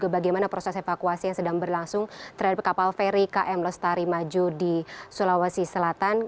bagaimana proses evakuasi yang sedang berlangsung terhadap kapal feri km lestari maju di sulawesi selatan